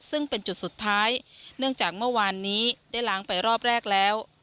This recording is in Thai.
ซึ่งเป็นจุดสุดท้ายเนื่องจากเมื่อวานนี้ได้ล้างไปรอบแรกแล้ว